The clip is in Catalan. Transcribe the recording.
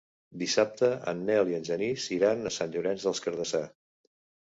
Dissabte en Nel i en Genís iran a Sant Llorenç des Cardassar.